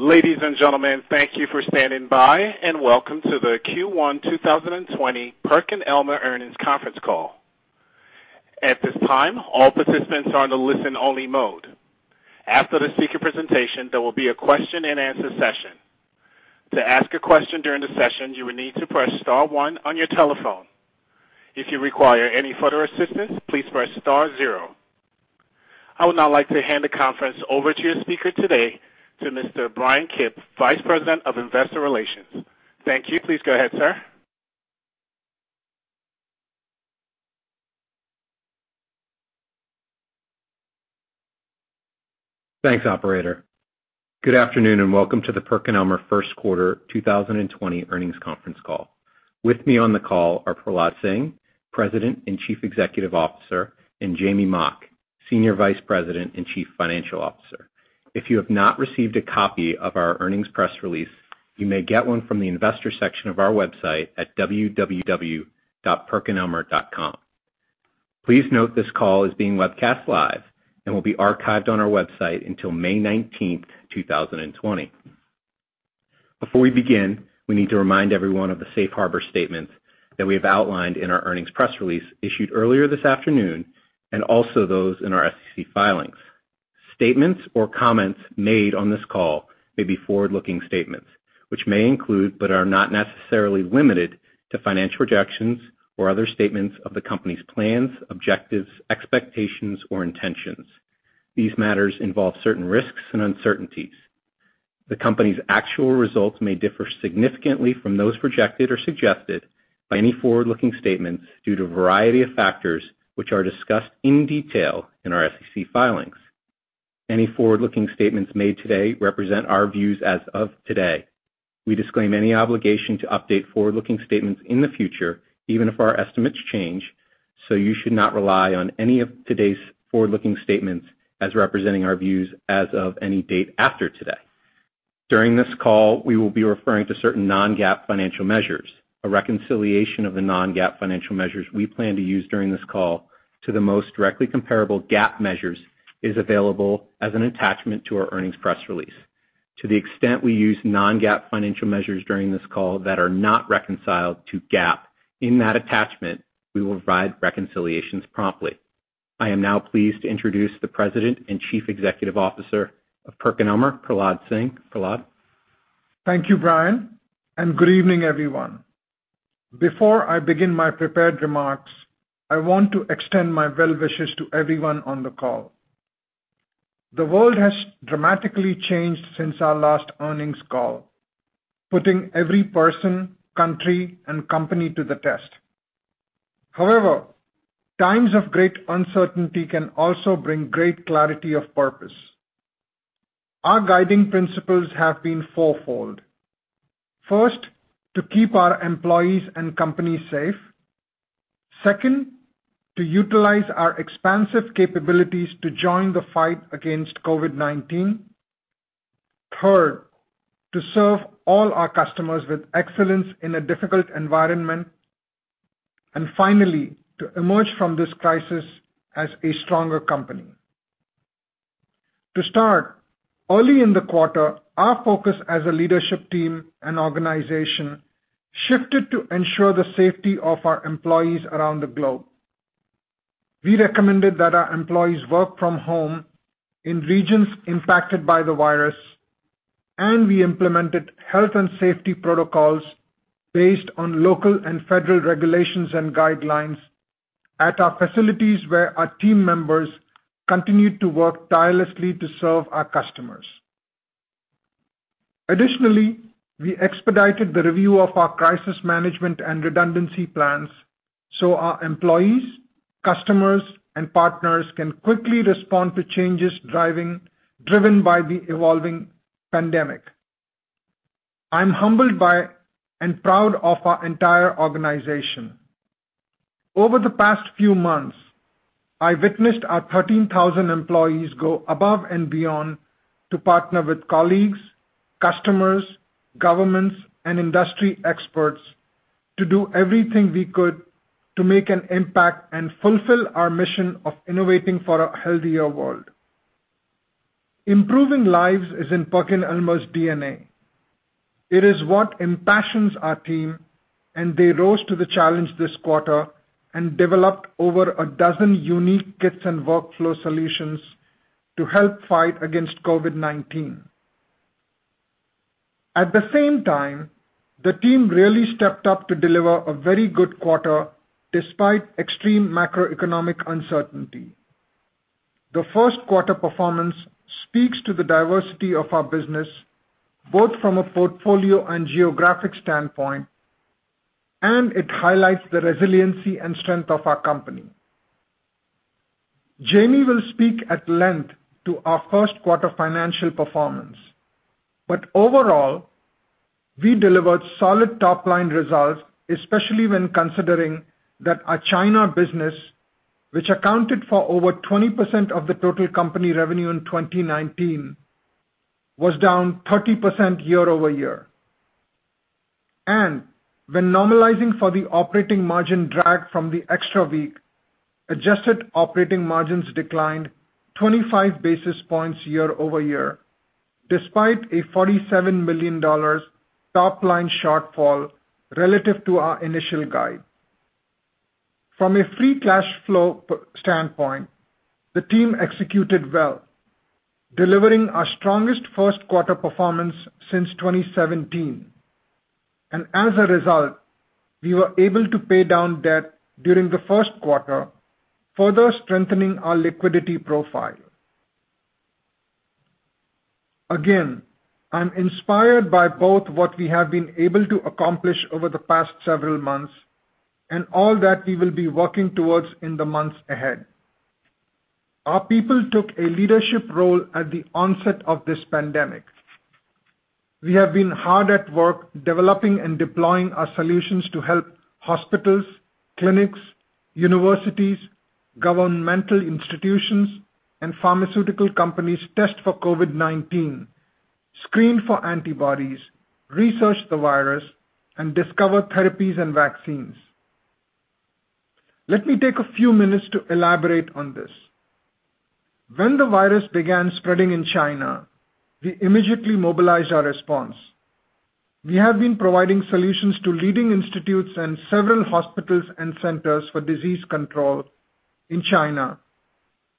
Ladies and gentlemen, thank you for standing by, welcome to the Q1 2020 PerkinElmer Earnings Conference Call. At this time, all participants are in the listen-only mode. After the speaker presentation, there will be a question-and-answer session. To ask a question during the session, you will need to press star one on your telephone. If you require any further assistance, please press star zero. I would now like to hand the conference over to your speaker today, to Mr. Bryan Kipp, Vice President of Investor Relations. Thank you. Please go ahead, Sir. Thanks, operator. Good afternoon, and welcome to the PerkinElmer first quarter 2020 earnings conference call. With me on the call are Prahlad Singh, President and Chief Executive Officer, and Jamey Mock, Senior Vice President and Chief Financial Officer. If you have not received a copy of our earnings press release, you may get one from the investor section of our website at www.perkinelmer.com. Please note this call is being webcast live and will be archived on our website until May 19th, 2020. Before we begin, we need to remind everyone of the safe harbor statement that we have outlined in our earnings press release issued earlier this afternoon, and also those in our SEC filings. Statements or comments made on this call may be forward-looking statements, which may include, but are not necessarily limited to, financial projections or other statements of the company's plans, objectives, expectations, or intentions. These matters involve certain risks and uncertainties. The company's actual results may differ significantly from those projected or suggested by any forward-looking statements due to a variety of factors, which are discussed in detail in our SEC filings. Any forward-looking statements made today represent our views as of today. We disclaim any obligation to update forward-looking statements in the future, even if our estimates change, so you should not rely on any of today's forward-looking statements as representing our views as of any date after today. During this call, we will be referring to certain non-GAAP financial measures. A reconciliation of the non-GAAP financial measures we plan to use during this call to the most directly comparable GAAP measures is available as an attachment to our earnings press release. To the extent we use non-GAAP financial measures during this call that are not reconciled to GAAP in that attachment, we will provide reconciliations promptly. I am now pleased to introduce the President and Chief Executive Officer of PerkinElmer, Prahlad Singh. Prahlad. Thank you, Bryan, good evening, everyone. Before I begin my prepared remarks, I want to extend my well wishes to everyone on the call. The world has dramatically changed since our last earnings call, putting every person, country, and company to the test. However, times of great uncertainty can also bring great clarity of purpose. Our guiding principles have been fourfold. First, to keep our employees and company safe. Second, to utilize our expansive capabilities to join the fight against COVID-19. Third, to serve all our customers with excellence in a difficult environment. Finally, to emerge from this crisis as a stronger company. To start, early in the quarter, our focus as a leadership team and organization shifted to ensure the safety of our employees around the globe. We recommended that our employees work from home in regions impacted by the virus, and we implemented health and safety protocols based on local and federal regulations and guidelines at our facilities where our team members continued to work tirelessly to serve our customers. Additionally, we expedited the review of our crisis management and redundancy plans so our employees, customers, and partners can quickly respond to changes driven by the evolving pandemic. I'm humbled by and proud of our entire organization. Over the past few months, I witnessed our 13,000 employees go above and beyond to partner with colleagues, customers, governments, and industry experts to do everything we could to make an impact and fulfill our mission of innovating for a healthier world. Improving lives is in PerkinElmer's DNA. It is what impassions our team, and they rose to the challenge this quarter and developed over a dozen unique kits and workflow solutions to help fight against COVID-19. At the same time, the team really stepped up to deliver a very good quarter despite extreme macroeconomic uncertainty. The first quarter performance speaks to the diversity of our business, both from a portfolio and geographic standpoint, and it highlights the resiliency and strength of our company. Jamey will speak at length to our first quarter financial performance. Overall, we delivered solid top-line results, especially when considering that our China business, which accounted for over 20% of the total company revenue in 2019, was down 30% year-over-year. When normalizing for the operating margin drag from the extra week, adjusted operating margins declined 25 basis points year-over-year, despite a $47 million top-line shortfall relative to our initial guide. From a free cash flow standpoint, the team executed well, delivering our strongest first quarter performance since 2017. As a result, we were able to pay down debt during the first quarter, further strengthening our liquidity profile. Again, I'm inspired by both what we have been able to accomplish over the past several months and all that we will be working towards in the months ahead. Our people took a leadership role at the onset of this pandemic. We have been hard at work developing and deploying our solutions to help hospitals, clinics, universities, governmental institutions, and pharmaceutical companies test for COVID-19, screen for antibodies, research the virus, and discover therapies and vaccines. Let me take a few minutes to elaborate on this. When the virus began spreading in China, we immediately mobilized our response. We have been providing solutions to leading institutes and several hospitals and Centers for Disease Control in China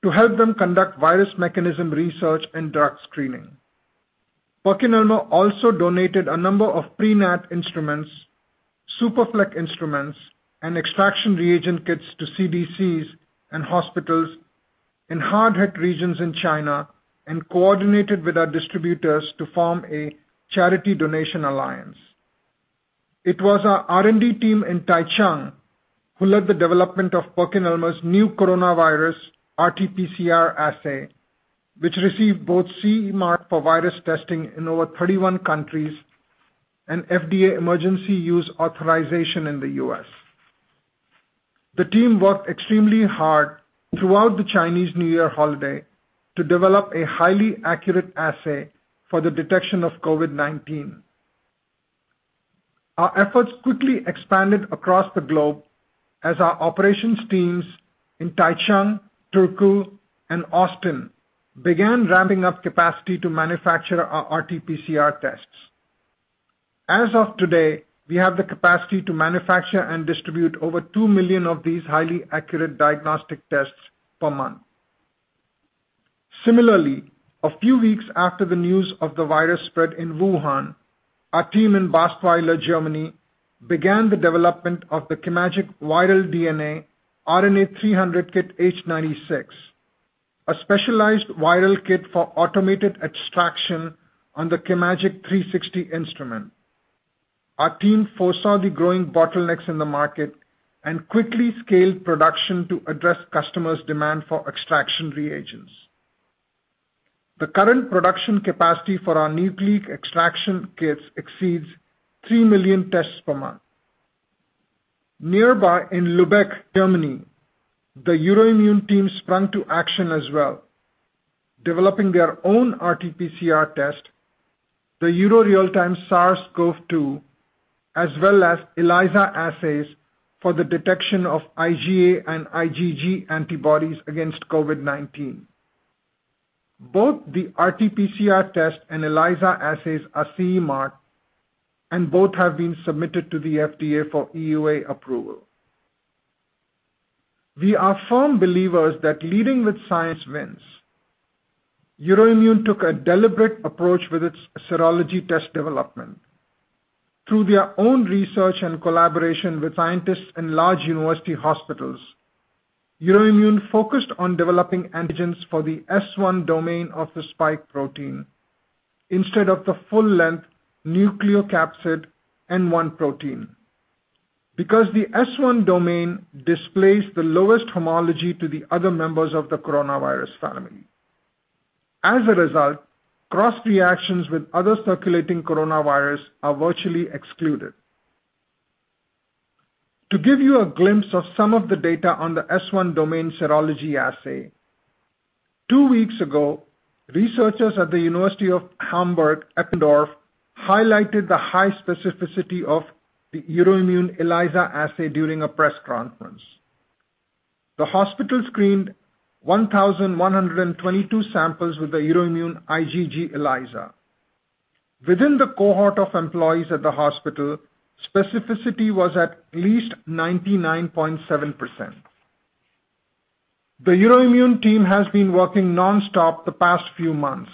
to help them conduct virus mechanism research and drug screening. PerkinElmer also donated a number of PreNat instruments, SuperFlex instruments, and extraction reagent kits to CDCs and hospitals in hard-hit regions in China and coordinated with our distributors to form a charity donation alliance. It was our R&D team in Taichung who led the development of PerkinElmer's new coronavirus RT-PCR assay, which received both CE mark for virus testing in over 31 countries and FDA Emergency Use Authorization in the U.S. The team worked extremely hard throughout the Chinese New Year holiday to develop a highly accurate assay for the detection of COVID-19. Our efforts quickly expanded across the globe as our operations teams in Taichung, Turku, and Austin began ramping up capacity to manufacture our RT-PCR tests. As of today, we have the capacity to manufacture and distribute over two million of these highly accurate diagnostic tests per month. Similarly, a few weeks after the news of the virus spread in Wuhan, our team in Baesweiler, Germany began the development of the chemagic Viral DNA/RNA 300 Kit H96, a specialized viral kit for automated extraction on the chemagic 360 instrument. Our team foresaw the growing bottlenecks in the market and quickly scaled production to address customers' demand for extraction reagents. The current production capacity for our nucleic extraction kits exceeds three million tests per month. Nearby in Lübeck, Germany, the Euroimmun team sprung to action as well, developing their own RT-PCR test, the EURORealTime SARS-CoV-2, as well as ELISA assays for the detection of IgA and IgG antibodies against COVID-19. Both the RT-PCR test and ELISA assays are CE marked and both have been submitted to the FDA for EUA approval. We are firm believers that leading with science wins. Euroimmun took a deliberate approach with its serology test development. Through their own research and collaboration with scientists in large university hospitals, Euroimmun focused on developing antigens for the S1 domain of the spike protein instead of the full-length nucleocapsid N1 protein. Because the S1 domain displays the lowest homology to the other members of the coronavirus family. As a result, cross-reactions with other circulating coronavirus are virtually excluded. To give you a glimpse of some of the data on the S1 domain serology assay, two weeks ago, researchers at the University Hospital Hamburg-Eppendorf highlighted the high specificity of the Euroimmun ELISA assay during a press conference. The hospital screened 1,122 samples with the Euroimmun IgG ELISA. Within the cohort of employees at the hospital, specificity was at least 99.7%. The Euroimmun team has been working non-stop the past few months.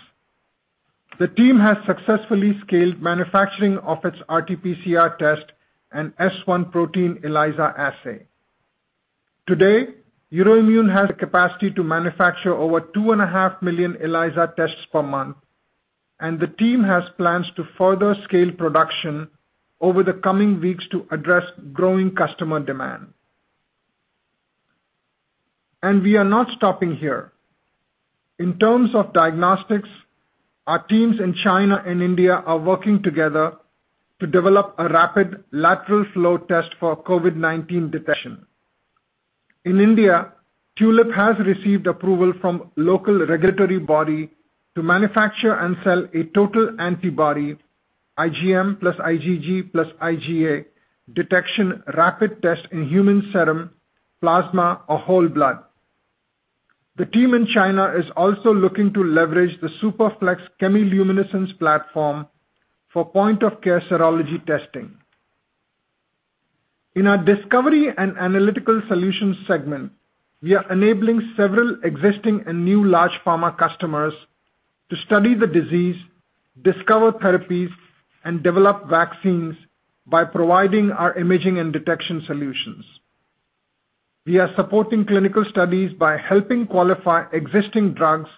The team has successfully scaled manufacturing of its RT-PCR test and S1 protein ELISA assay. Today, Euroimmun has the capacity to manufacture over 2.5 million ELISA tests per month, and the team has plans to further scale production over the coming weeks to address growing customer demand. We are not stopping here. In terms of diagnostics, our teams in China and India are working together to develop a rapid lateral flow test for COVID-19 detection. In India, Tulip has received approval from local regulatory body to manufacture and sell a total antibody, IgM plus IgG plus IgA, detection rapid test in human serum, plasma, or whole blood. The team in China is also looking to leverage the SuperFlex chemiluminescence platform for point-of-care serology testing. In our discovery and analytical solutions segment, we are enabling several existing and new large pharma customers to study the disease, discover therapies, and develop vaccines by providing our imaging and detection solutions. We are supporting clinical studies by helping qualify existing drugs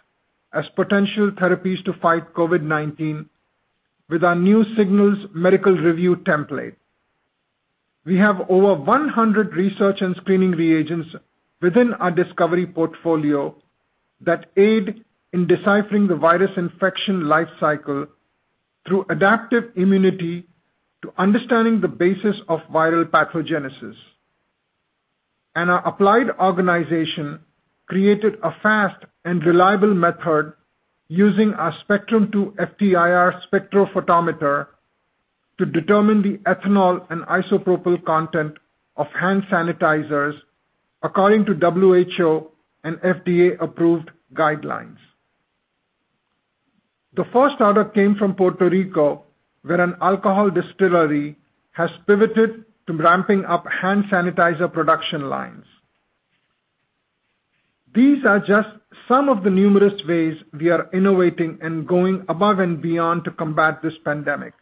as potential therapies to fight COVID-19 with our new Signals Medical Review template. We have over 100 research and screening reagents within our discovery portfolio that aid in deciphering the virus infection life cycle through adaptive immunity to understanding the basis of viral pathogenesis. Our applied organization created a fast and reliable method using our Spectrum Two FTIR spectrophotometer to determine the ethanol and isopropyl content of hand sanitizers, according to WHO and FDA-approved guidelines. The first order came from Puerto Rico, where an alcohol distillery has pivoted to ramping up hand sanitizer production lines. These are just some of the numerous ways we are innovating and going above and beyond to combat this pandemic.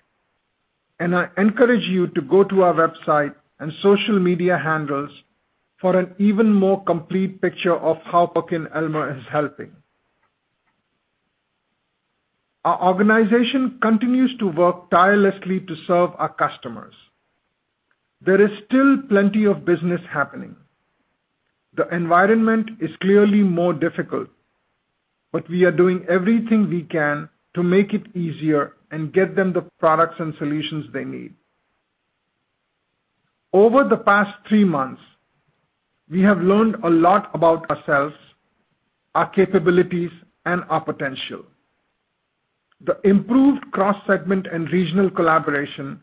I encourage you to go to our website and social media handles for an even more complete picture of how PerkinElmer is helping. Our organization continues to work tirelessly to serve our customers. There is still plenty of business happening. The environment is clearly more difficult, but we are doing everything we can to make it easier and get them the products and solutions they need. Over the past three months, we have learned a lot about ourselves, our capabilities, and our potential. The improved cross-segment and regional collaboration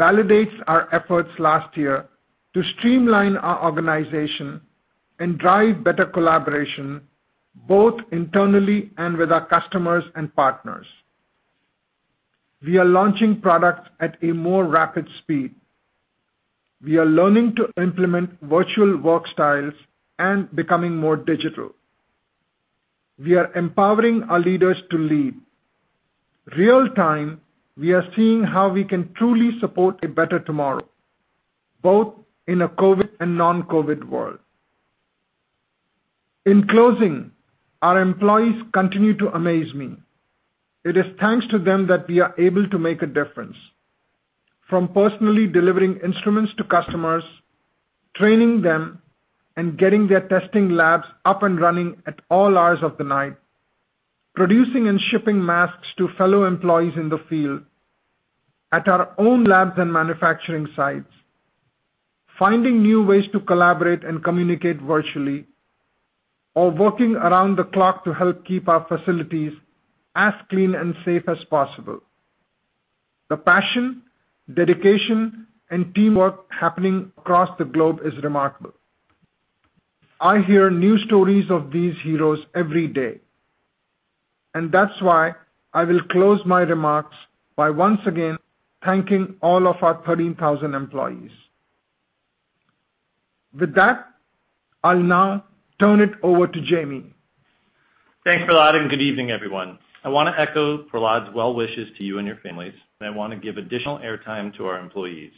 validates our efforts last year to streamline our organization and drive better collaboration, both internally and with our customers and partners. We are launching products at a more rapid speed. We are learning to implement virtual work styles and becoming more digital. We are empowering our leaders to lead. Real-time, we are seeing how we can truly support a better tomorrow, both in a COVID and non-COVID world. In closing, our employees continue to amaze me. It is thanks to them that we are able to make a difference. From personally delivering instruments to customers, training them, and getting their testing labs up and running at all hours of the night, producing and shipping masks to fellow employees in the field, at our own labs and manufacturing sites, finding new ways to collaborate and communicate virtually, or working around the clock to help keep our facilities as clean and safe as possible. The passion, dedication, and teamwork happening across the globe is remarkable. I hear new stories of these heroes every day. That's why I will close my remarks by once again thanking all of our 13,000 employees. With that, I'll now turn it over to Jamey. Thanks, Prahlad. Good evening, everyone. I want to echo Prahlad's well wishes to you and your families, and I want to give additional airtime to our employees.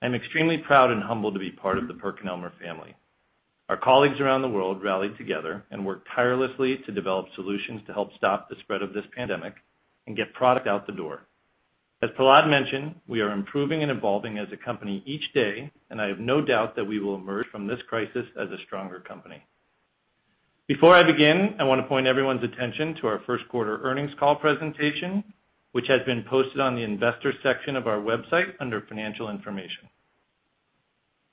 I'm extremely proud and humbled to be part of the PerkinElmer family. Our colleagues around the world rallied together and worked tirelessly to develop solutions to help stop the spread of this pandemic and get product out the door. As Prahlad mentioned, we are improving and evolving as a company each day, and I have no doubt that we will emerge from this crisis as a stronger company. Before I begin, I want to point everyone's attention to our first quarter earnings call presentation, which has been posted on the investor section of our website under financial information.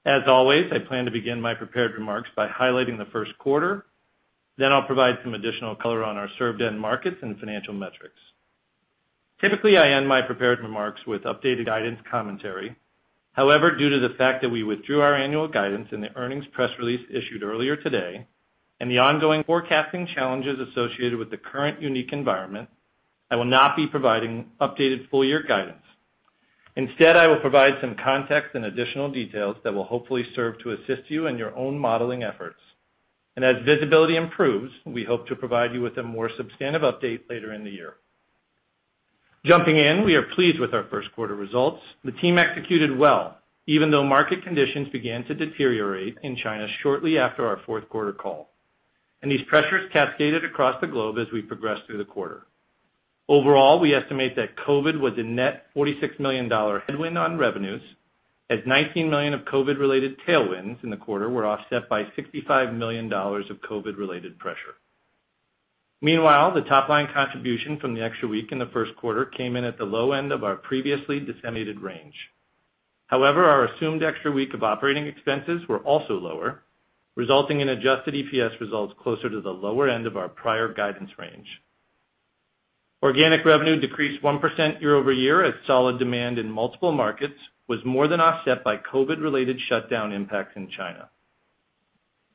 As always, I plan to begin my prepared remarks by highlighting the first quarter, then I'll provide some additional color on our served end markets and financial metrics. Typically, I end my prepared remarks with updated guidance commentary. However, due to the fact that we withdrew our annual guidance in the earnings press release issued earlier today, and the ongoing forecasting challenges associated with the current unique environment, I will not be providing updated full-year guidance. Instead, I will provide some context and additional details that will hopefully serve to assist you in your own modeling efforts. As visibility improves, we hope to provide you with a more substantive update later in the year. Jumping in, we are pleased with our first quarter results. The team executed well, even though market conditions began to deteriorate in China shortly after our fourth quarter call. These pressures cascaded across the globe as we progressed through the quarter. Overall, we estimate that COVID was a net $46 million headwind on revenues, as $19 million of COVID-related tailwinds in the quarter were offset by $65 million of COVID-related pressure. Meanwhile, the top-line contribution from the extra week in the first quarter came in at the low end of our previously disseminated range. Our assumed extra week of operating expenses were also lower, resulting in adjusted EPS results closer to the lower end of our prior guidance range. Organic revenue decreased 1% year-over-year as solid demand in multiple markets was more than offset by COVID-related shutdown impacts in China.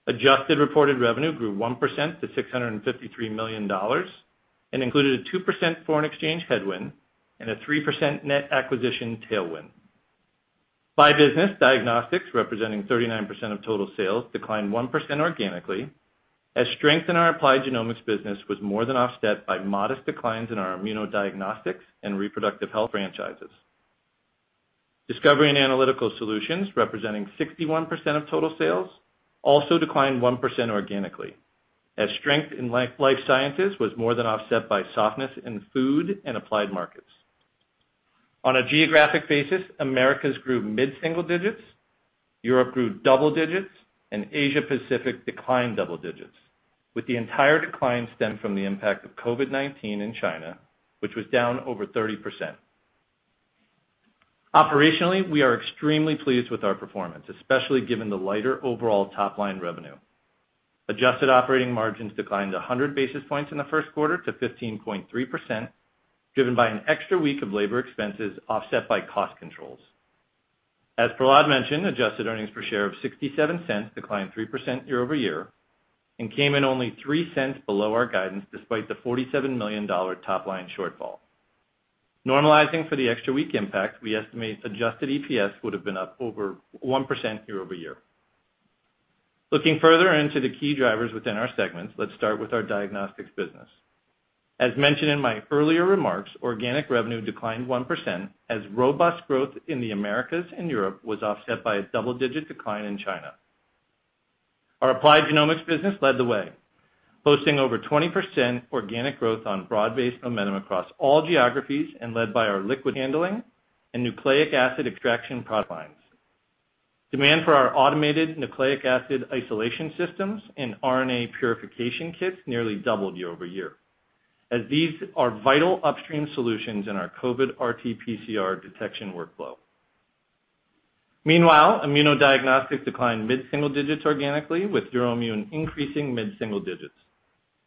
Adjusted reported revenue grew 1% to $653 million and included a 2% foreign exchange headwind and a 3% net acquisition tailwind. By business, diagnostics, representing 39% of total sales, declined 1% organically as strength in our applied genomics business was more than offset by modest declines in our immunodiagnostics and reproductive health franchises. Discovery and Analytical Solutions, representing 61% of total sales, also declined 1% organically, as strength in life sciences was more than offset by softness in food and applied markets. On a geographic basis, Americas grew mid-single digits, Europe grew double digits, and Asia Pacific declined double digits, with the entire decline stemmed from the impact of COVID-19 in China, which was down over 30%. Operationally, we are extremely pleased with our performance, especially given the lighter overall top-line revenue. Adjusted operating margins declined 100 basis points in the first quarter to 15.3%, driven by an extra week of labor expenses offset by cost controls. As Prahlad mentioned, adjusted earnings per share of $0.67 declined 3% year-over-year and came in only $0.03 below our guidance, despite the $47 million top-line shortfall. Normalizing for the extra week impact, we estimate adjusted EPS would've been up over 1% year-over-year. Looking further into the key drivers within our segments, let's start with our diagnostics business. As mentioned in my earlier remarks, organic revenue declined 1% as robust growth in the Americas and Europe was offset by a double-digit decline in China. Our applied genomics business led the way, boasting over 20% organic growth on broad-based momentum across all geographies and led by our liquid handling and nucleic acid extraction product lines. Demand for our automated nucleic acid isolation systems and RNA purification kits nearly doubled year-over-year, as these are vital upstream solutions in our COVID RT-PCR detection workflow. Meanwhile, immunodiagnostics declined mid-single digits organically with Euroimmun increasing mid-single digits.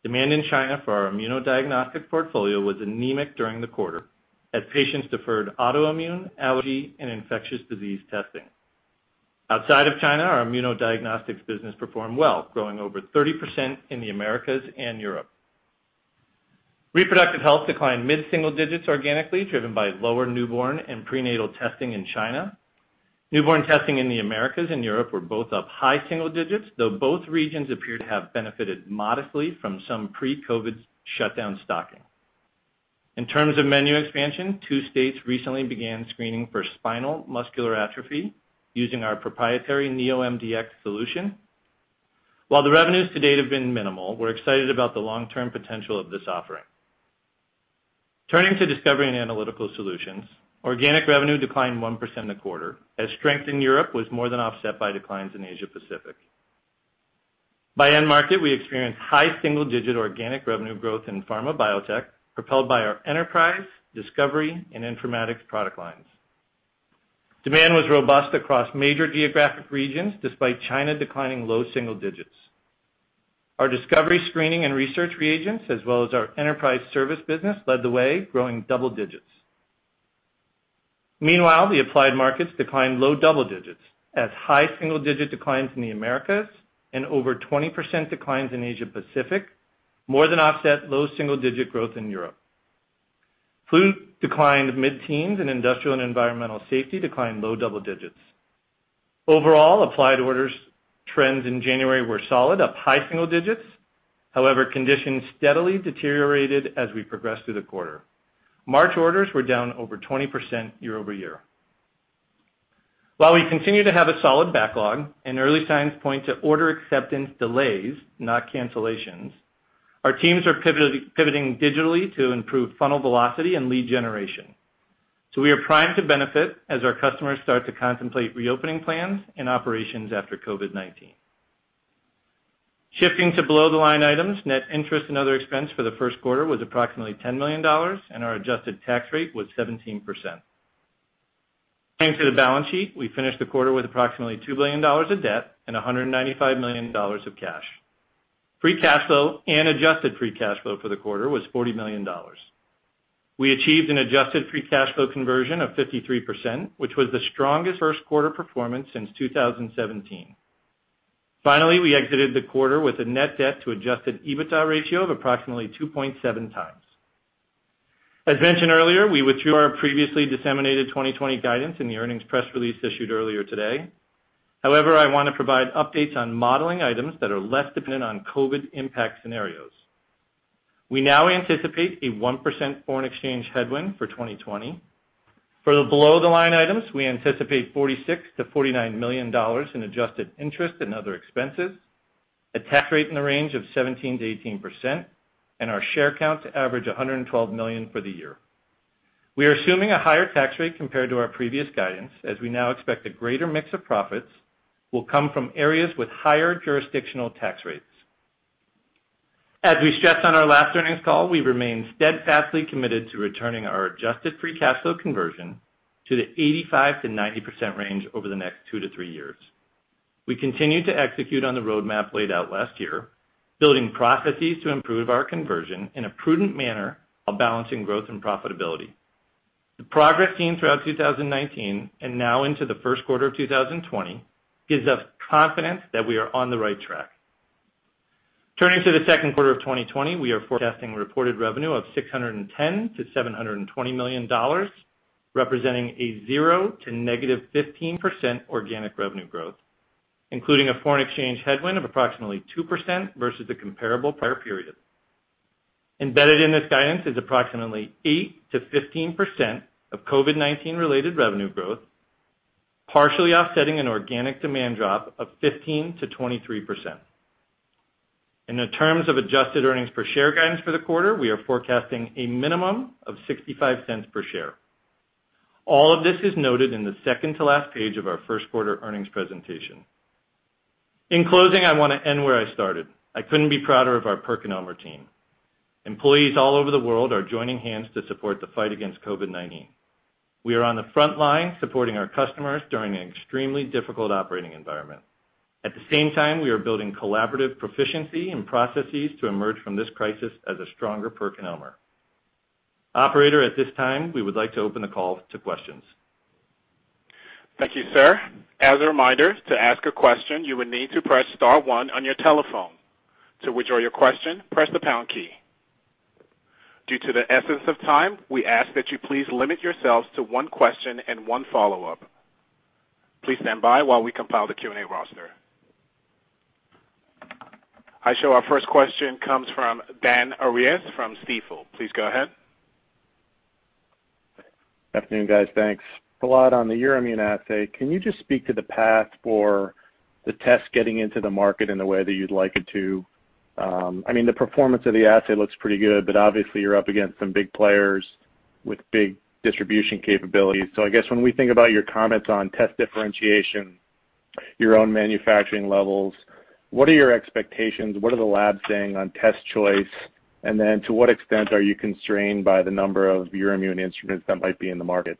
Demand in China for our immunodiagnostic portfolio was anemic during the quarter, as patients deferred autoimmune, allergy, and infectious disease testing. Outside of China, our immunodiagnostics business performed well, growing over 30% in the Americas and Europe. Reproductive health declined mid-single digits organically, driven by lower newborn and prenatal testing in China. Newborn testing in the Americas and Europe were both up high single digits, though both regions appear to have benefited modestly from some pre-COVID shutdown stocking. In terms of menu expansion, two states recently began screening for spinal muscular atrophy using our proprietary NeoMDx solution. While the revenues to date have been minimal, we're excited about the long-term potential of this offering. Turning to Discovery and Analytical Solutions, organic revenue declined 1% in the quarter as strength in Europe was more than offset by declines in Asia Pacific. By end market, we experienced high single-digit organic revenue growth in pharma biotech, propelled by our enterprise, discovery, and informatics product lines. Demand was robust across major geographic regions, despite China declining low single digits. Our discovery screening and research reagents, as well as our enterprise service business, led the way, growing double digits. Meanwhile, the applied markets declined low double digits as high single-digit declines in the Americas and over 20% declines in Asia Pacific more than offset low single-digit growth in Europe. Food declined mid-10s and Industrial and Environmental Safety declined low double digits. Overall, applied orders trends in January were solid, up high single digits. However, conditions steadily deteriorated as we progressed through the quarter. March orders were down over 20% year-over-year. While we continue to have a solid backlog and early signs point to order acceptance delays, not cancellations, our teams are pivoting digitally to improve funnel velocity and lead generation. We are primed to benefit as our customers start to contemplate reopening plans and operations after COVID-19. Shifting to below the line items, net interest and other expense for the first quarter was approximately $10 million, and our adjusted tax rate was 17%. Turning to the balance sheet, we finished the quarter with approximately $2 billion of debt and $195 million of cash. Free cash flow and adjusted free cash flow for the quarter was $40 million. We achieved an adjusted free cash flow conversion of 53%, which was the strongest first-quarter performance since 2017. Finally, we exited the quarter with a net debt to adjusted EBITDA ratio of approximately 2.7x. As mentioned earlier, we withdrew our previously disseminated 2020 guidance in the earnings press release issued earlier today. I want to provide updates on modeling items that are less dependent on COVID impact scenarios. We now anticipate a 1% foreign exchange headwind for 2020. For the below the line items, we anticipate $46 million-$49 million in adjusted interest and other expenses, a tax rate in the range of 17%-18%, and our share count to average 112 million for the year. We are assuming a higher tax rate compared to our previous guidance, as we now expect a greater mix of profits will come from areas with higher jurisdictional tax rates. As we stressed on our last earnings call, we remain steadfastly committed to returning our adjusted free cash flow conversion to the 85%-90% range over the next two to three years. We continue to execute on the roadmap laid out last year, building processes to improve our conversion in a prudent manner while balancing growth and profitability. The progress seen throughout 2019, and now into the first quarter of 2020, gives us confidence that we are on the right track. Turning to the second quarter of 2020, we are forecasting reported revenue of $610 million-$720 million, representing a 0% to -15% organic revenue growth, including a foreign exchange headwind of approximately 2% versus the comparable prior period. Embedded in this guidance is approximately 8%-15% of COVID-19 related revenue growth, partially offsetting an organic demand drop of 15%-23%. In terms of adjusted earnings per share guidance for the quarter, we are forecasting a minimum of $0.65 per share. All of this is noted in the second to last page of our first quarter earnings presentation. In closing, I want to end where I started. I couldn't be prouder of our PerkinElmer team. Employees all over the world are joining hands to support the fight against COVID-19. We are on the front line supporting our customers during an extremely difficult operating environment. At the same time, we are building collaborative proficiency and processes to emerge from this crisis as a stronger PerkinElmer. Operator, at this time, we would like to open the call to questions. Thank you, Sir. As a reminder, to ask a question, you will need to press star one on your telephone. To withdraw your question, press the pound key. Due to the essence of time, we ask that you please limit yourselves to one question and one follow-up. Please stand by while we compile the Q&A roster. I show our first question comes from Dan Arias from Stifel. Please go ahead. Good afternoon, guys. Thanks. Prahlad, on the Euroimmun assay, can you just speak to the path for the test getting into the market in the way that you'd like it to? The performance of the assay looks pretty good, but obviously you're up against some big players with big distribution capabilities. I guess when we think about your comments on test differentiation, your own manufacturing levels, what are your expectations? What are the labs saying on test choice? Then to what extent are you constrained by the number of Euroimmun instruments that might be in the market?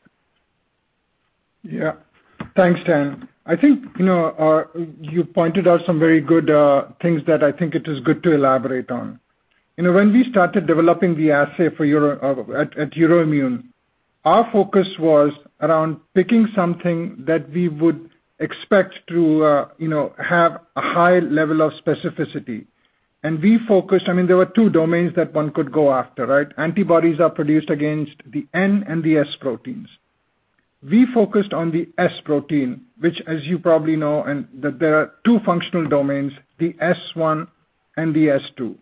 Yeah. Thanks, Dan. I think you pointed out some very good things that I think it is good to elaborate on. When we started developing the assay at Euroimmun, our focus was around picking something that we would expect to have a high level of specificity. There were two domains that one could go after, right? Antibodies are produced against the N and the S proteins. We focused on the S protein, which as you probably know, that there are two functional domains, the S1 and the S2.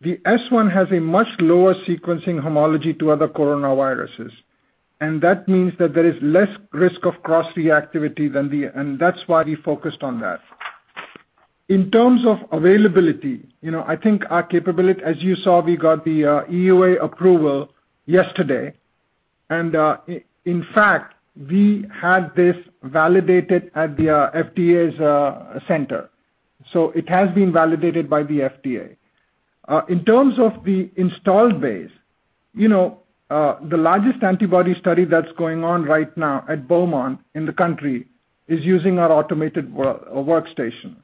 The S1 has a much lower sequencing homology to other coronaviruses, and that means that there is less risk of cross-reactivity, and that's why we focused on that. In terms of availability, I think our capability, as you saw, we got the EUA approval yesterday. In fact, we had this validated at the FDA's center. It has been validated by the FDA. In terms of the installed base, the largest antibody study that's going on right now at Beaumont in the country is using our automated workstation.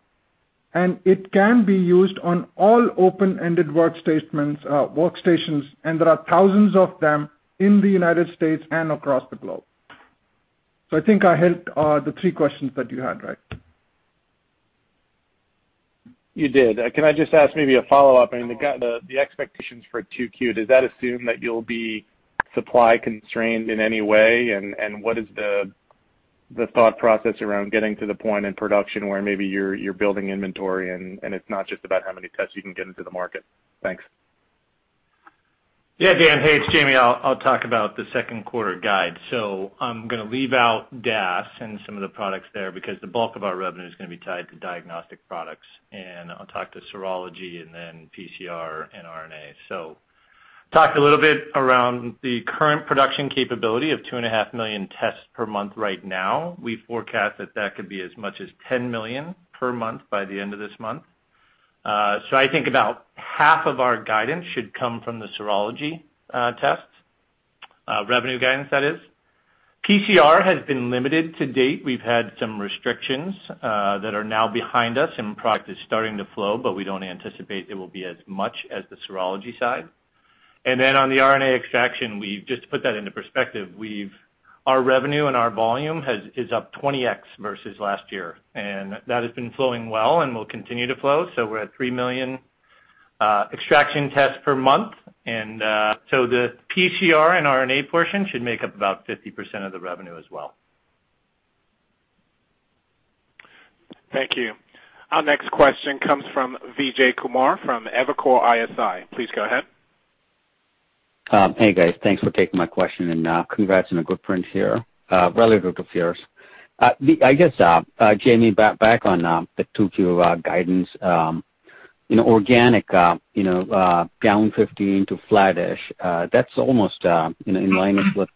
It can be used on all open-ended workstations, and there are thousands of them in the United States and across the globe. I think I helped the three questions that you had, right? You did. Can I just ask maybe a follow-up? The expectations for 2Q, does that assume that you'll be supply constrained in any way? What is the thought process around getting to the point in production where maybe you're building inventory and it's not just about how many tests you can get into the market? Thanks. Yeah, Dan. Hey, it's Jamey. I'll talk about the second quarter guide. I'm going to leave out DAS and some of the products there because the bulk of our revenue is going to be tied to diagnostic products. I'll talk to serology and then PCR and RNA. Talked a little bit around the current production capability of 2.5 million tests per month right now. We forecast that could be as much as 10 million per month by the end of this month. I think about 1/2 of our guidance should come from the serology tests. Revenue guidance, that is. PCR has been limited to date. We've had some restrictions that are now behind us, and product is starting to flow, but we don't anticipate it will be as much as the serology side. On the RNA extraction, just to put that into perspective, our revenue and our volume is up 20x versus last year. That has been flowing well and will continue to flow. We're at three million extraction tests per month. The PCR and RNA portion should make up about 50% of the revenue as well. Thank you. Our next question comes from Vijay Kumar from Evercore ISI. Please go ahead. Hey, guys. Thanks for taking my question and congrats on a good print here relative to peers. I guess, Jamey, back on the 2Q guidance. Organic down 15 to flattish. That's almost in line with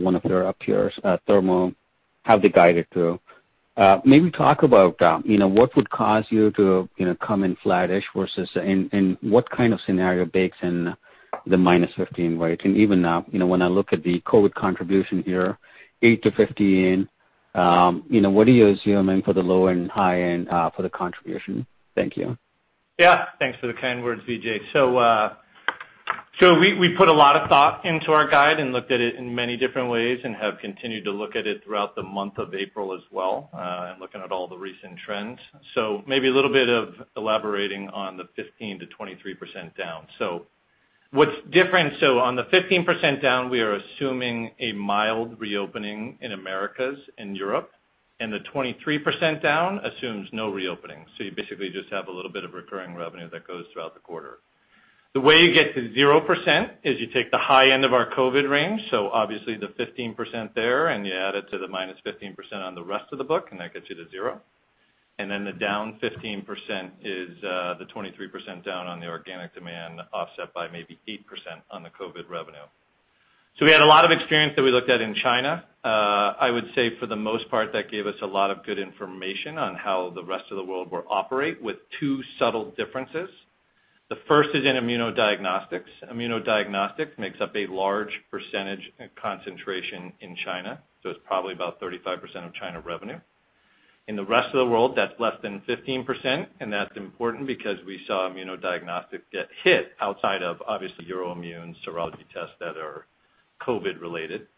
one of your peers, Thermo, how they guided through. Maybe talk about what would cause you to come in flattish versus what kind of scenario bakes in the -15 rate? Even now, when I look at the COVID contribution here, 8-15, what are you assuming for the low and high end for the contribution? Thank you. Yeah. Thanks for the kind words, Vijay. We put a lot of thought into our guide and looked at it in many different ways and have continued to look at it throughout the month of April as well, and looking at all the recent trends. Maybe a little bit of elaborating on the 15%-23% down. What's different, so on the 15% down, we are assuming a mild reopening in Americas and Europe, and the 23% down assumes no reopening. You basically just have a little bit of recurring revenue that goes throughout the quarter. The way you get to 0% is you take the high end of our COVID range, so obviously the 15% there, and you add it to the -15% on the rest of the book, and that gets you to zero. The down 15% is the 23% down on the organic demand, offset by maybe 8% on the COVID revenue. We had a lot of experience that we looked at in China. I would say for the most part, that gave us a lot of good information on how the rest of the world will operate, with two subtle differences. The first is in immunodiagnostics. Immunodiagnostics makes up a large percentage and concentration in China, so it's probably about 35% of China revenue. In the rest of the world, that's less than 15%, and that's important because we saw immunodiagnostics get hit outside of, obviously, Euroimmun serology tests that are COVID related.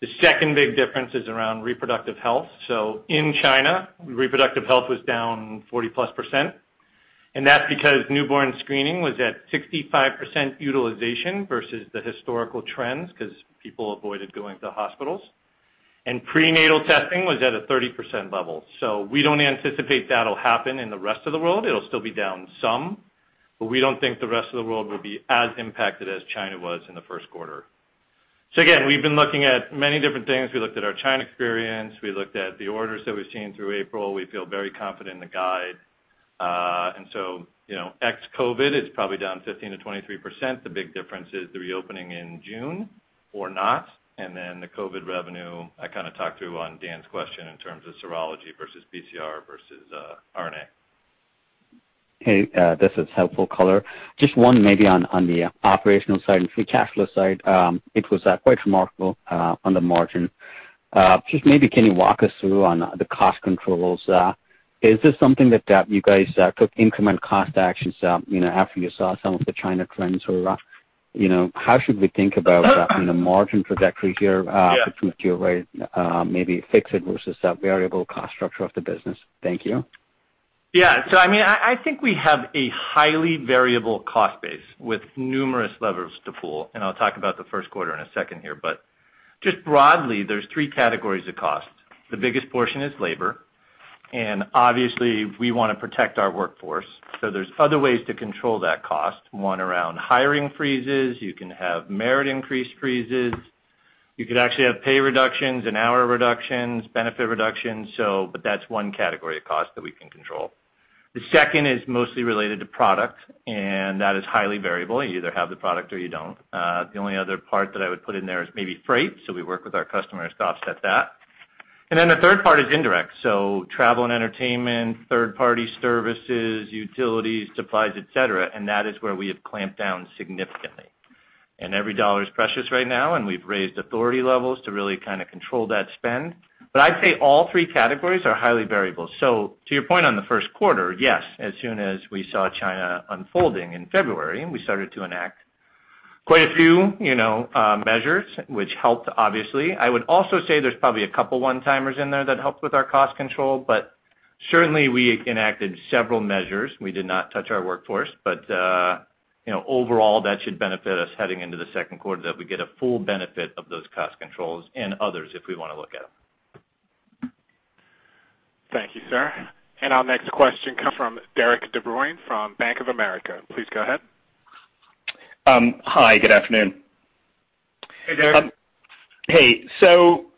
The second big difference is around reproductive health. In China, reproductive health was down 40+%, and that's because newborn screening was at 65% utilization versus the historical trends, because people avoided going to hospitals. Prenatal testing was at a 30% level. We don't anticipate that'll happen in the rest of the world. It'll still be down some, but we don't think the rest of the world will be as impacted as China was in the first quarter. Again, we've been looking at many different things. We looked at our China experience. We looked at the orders that we've seen through April. We feel very confident in the guide. Ex-COVID, it's probably down 15%-23%. The big difference is the reopening in June or not, the COVID revenue I kind of talked through on Dan's question in terms of serology versus PCR versus RNA. Okay. This is helpful color. Just one maybe on the operational side and free cash flow side. It was quite remarkable on the margin. Just maybe can you walk us through on the cost controls? Is this something that you guys took increment cost actions after you saw some of the China trends were? How should we think about on the margin trajectory here? Yeah. Between Q-rate, maybe fixed versus variable cost structure of the business? Thank you. Yeah. I think we have a highly variable cost base with numerous levers to pull, and I'll talk about the first quarter in a second here. Just broadly, there's three categories of cost. The biggest portion is labor. Obviously, we want to protect our workforce. There's other ways to control that cost. One, around hiring freezes. You can have merit increase freezes. You could actually have pay reductions and hour reductions, benefit reductions. That's one category of cost that we can control. The second is mostly related to product, and that is highly variable. You either have the product or you don't. The only other part that I would put in there is maybe freight, so we work with our customers to offset that. The third part is indirect, so travel and entertainment, third-party services, utilities, supplies, et cetera, and that is where we have clamped down significantly. Every dollar is precious right now, and we've raised authority levels to really kind of control that spend. I'd say all three categories are highly variable. To your point on the first quarter, yes, as soon as we saw China unfolding in February, we started to enact quite a few measures which helped obviously. I would also say there's probably a couple one-timers in there that helped with our cost control. Certainly, we enacted several measures. We did not touch our workforce. Overall, that should benefit us heading into the second quarter, that we get a full benefit of those cost controls and others if we want to look at them. Thank you, Sir. Our next question come from Derik De Bruin from Bank of America. Please go ahead. Hi. Good afternoon. Hey, Derik. Hey.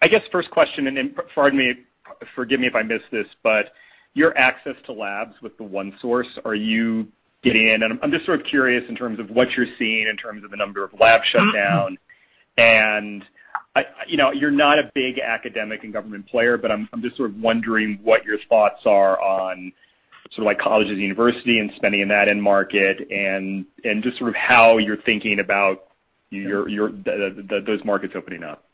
I guess first question, and forgive me if I missed this, but your access to labs with the OneSource, are you getting in? I'm just sort of curious in terms of what you're seeing in terms of the number of lab shutdowns. You're not a big academic and government player, but I'm just sort of wondering what your thoughts are on sort of like colleges and university and spending in that end market and just sort of how you're thinking about those markets opening up.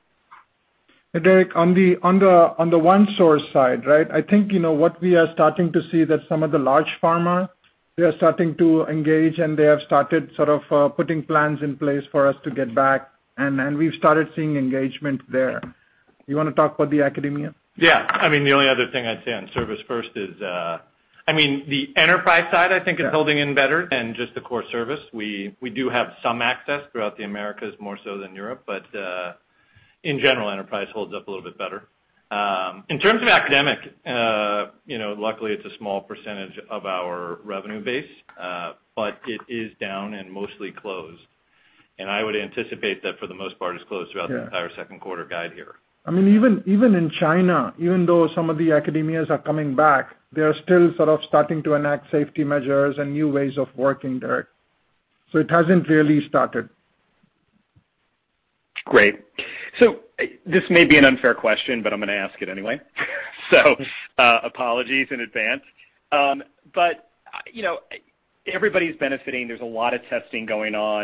Hey, Derik, on the OneSource side, right? I think what we are starting to see that some of the large pharma, they are starting to engage, and they have started sort of putting plans in place for us to get back, and we've started seeing engagement there. You want to talk about the academia? Yeah. I mean, the only other thing I'd say on Service First is the enterprise side, I think, is holding in better than just the core service. We do have some access throughout the Americas, more so than Europe. In general, enterprise holds up a little bit better. In terms of academic, luckily it's a small percentage of our revenue base. It is down and mostly closed. I would anticipate that for the most part it's closed throughout the entire second quarter guide here. Even in China, even though some of the academias are coming back, they are still sort of starting to enact safety measures and new ways of working, Derik. It hasn't really started. Great. This may be an unfair question, but I'm going to ask it anyway. Apologies in advance. Everybody's benefiting. There's a lot of testing going on,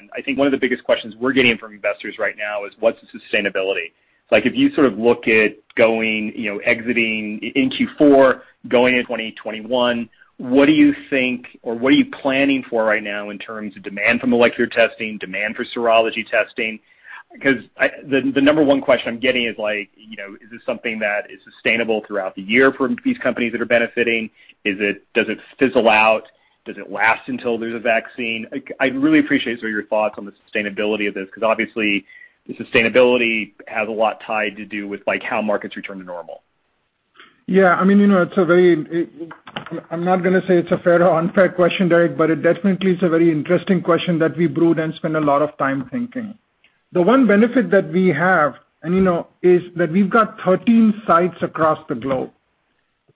and I think one of the biggest questions we're getting from investors right now is, what's the sustainability? If you look at exiting in Q4, going into 2021, what do you think, or what are you planning for right now in terms of demand for molecular testing, demand for serology testing? The number one question I'm getting is this something that is sustainable throughout the year for these companies that are benefiting? Does it fizzle out? Does it last until there's a vaccine? I'd really appreciate your thoughts on the sustainability of this, because obviously the sustainability has a lot tied to do with how markets return to normal. Yeah. I'm not going to say it's a fair or unfair question, Derik, it definitely is a very interesting question that we brood and spend a lot of time thinking. The one benefit that we have is that we've got 13 sites across the globe.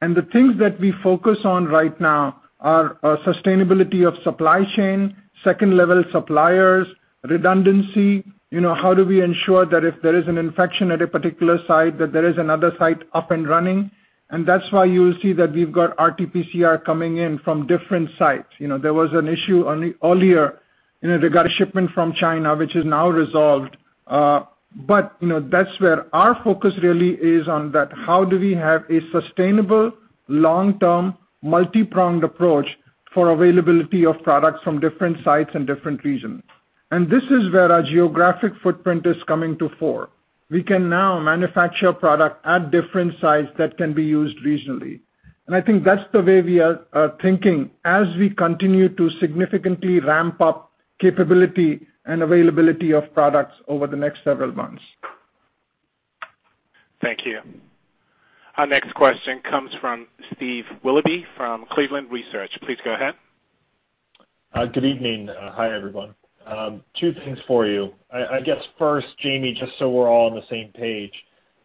The things that we focus on right now are sustainability of supply chain, second-level suppliers, redundancy. How do we ensure that if there is an infection at a particular site, that there is another site up and running? That's why you'll see that we've got RT-PCR coming in from different sites. There was an issue earlier regarding a shipment from China, which is now resolved. That's where our focus really is on that, how do we have a sustainable, long-term, multi-pronged approach for availability of products from different sites and different regions? This is where our geographic footprint is coming to fore. We can now manufacture product at different sites that can be used regionally. I think that's the way we are thinking as we continue to significantly ramp up capability and availability of products over the next several months. Thank you. Our next question comes from Steve Willoughby from Cleveland Research. Please go ahead. Good evening. Hi, everyone. Two things for you. I guess first, Jamey, just so we're all on the same page,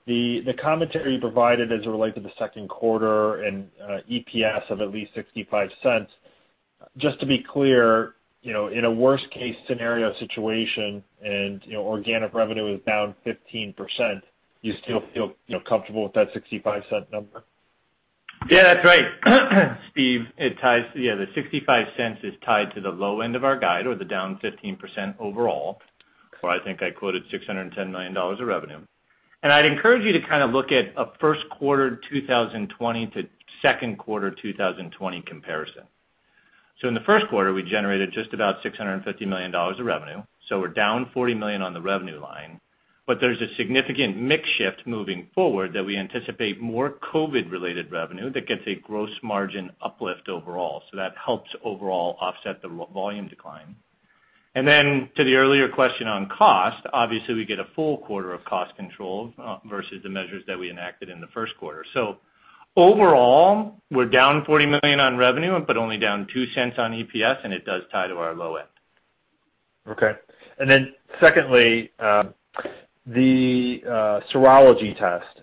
the commentary you provided as it relate to the second quarter and EPS of at least $0.65, just to be clear, in a worst case scenario situation and organic revenue is down 15%, you still feel comfortable with that $0.65 number? Yeah, that's right, Steve. The $0.65 is tied to the low end of our guide, or the down 15% overall, where I think I quoted $610 million of revenue. I'd encourage you to look at a first quarter 2020 to second quarter 2020 comparison. In the first quarter, we generated just about $650 million of revenue. We're down $40 million on the revenue line, but there's a significant mix shift moving forward that we anticipate more COVID-19 related revenue that gets a gross margin uplift overall. That helps overall offset the volume decline. To the earlier question on cost, obviously, we get a full quarter of cost control versus the measures that we enacted in the first quarter. Overall, we're down $40 million on revenue, but only down $0.02 on EPS, and it does tie to our low end. Okay. Secondly, the serology test.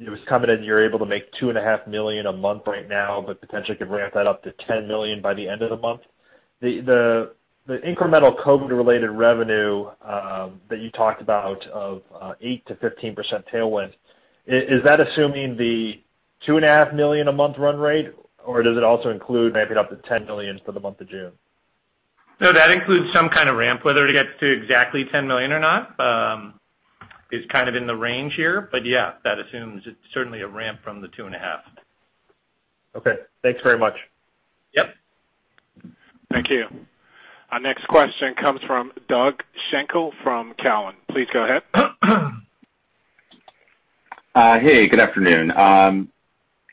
It was commented you're able to make $2.5 million a month right now, but potentially could ramp that up to $10 million by the end of the month. The incremental COVID-19 related revenue that you talked about of 8%-15% tailwind, is that assuming the $2.5 million a month run rate, or does it also include ramp it up to $10 million for the month of June? No, that includes some kind of ramp, whether it gets to exactly $10 million or not is kind of in the range here. Yeah, that assumes it's certainly a ramp from the 2.5. Okay. Thanks very much. Yep. Thank you. Our next question comes from Doug Schenkel from Cowen. Please go ahead. Hey, good afternoon. I'm